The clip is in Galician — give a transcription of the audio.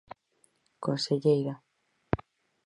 Conselleira.